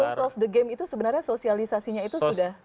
lons of the game itu sebenarnya sosialisasinya itu sudah